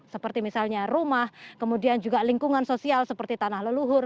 seperti misalnya rumah kemudian juga lingkungan sosial seperti tanah leluhur